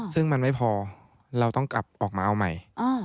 ซึ่งมันไม่พอเราต้องกลับออกมาเอาใหม่